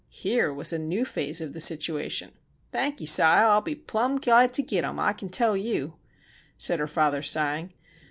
Here was a new phase of the situation. "Thankee, Sile, I'll be plum' glad tew git 'em, I kin tell yew!" said her father, sighing.